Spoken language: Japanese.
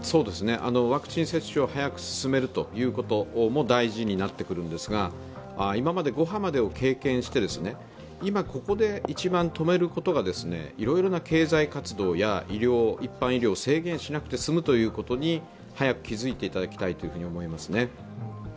ワクチン接種を早く進めることも大事になってくるんですが、今まで５波まで経験して、今ここで一番止めることがいろいろな経済活動や一般医療を制限しなくて済むということに早く気づいていただきたいと思いますね。